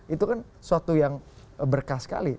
itu kan suatu yang berkah sekali